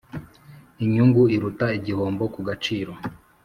inyungu iruta igihombo ku gaciro.